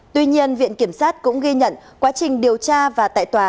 tuy nhiên viện kiểm sát cũng ghi nhận quá trình điều tra và tại tòa